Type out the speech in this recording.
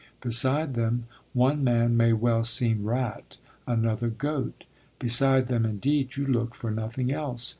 Beside them one man may well seem rat, and another goat. Beside them, indeed, you look for nothing else.